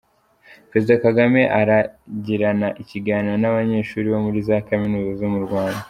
Perezida Kagame aragirana ikiganiro n’abanyeshuri bo muri za kaminuza zo mu Rwanda